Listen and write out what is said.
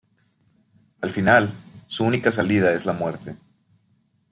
Al final, su única salida es la muerte.